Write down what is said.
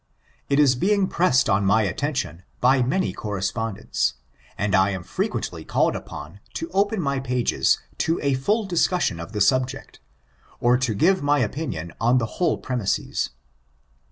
It is being pressed on my attenticm by many correspondents, and I am frequently called upon to open my pages to a full discus&ion of the subject, or to give my opinion on the whole premises.